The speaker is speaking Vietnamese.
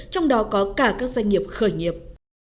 trong đó có cả các doanh nghiệp khởi nghiệp